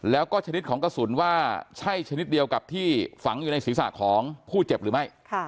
แล้วก็ชนิดของกระสุนว่าใช่ชนิดเดียวกับที่ฝังอยู่ในศีรษะของผู้เจ็บหรือไม่